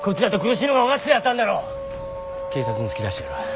警察に突き出してやる。